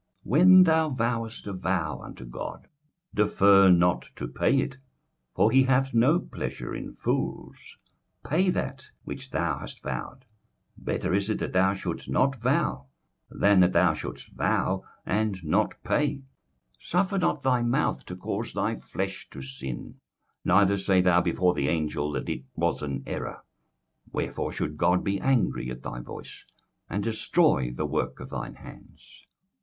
21:005:004 When thou vowest a vow unto God, defer not to pay it; for he hath no pleasure in fools: pay that which thou hast vowed. 21:005:005 Better is it that thou shouldest not vow, than that thou shouldest vow and not pay. 21:005:006 Suffer not thy mouth to cause thy flesh to sin; neither say thou before the angel, that it was an error: wherefore should God be angry at thy voice, and destroy the work of thine hands?